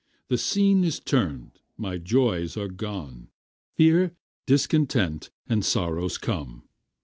The scene is turn'd, my joys are gone, Fear, discontent, and sorrows come.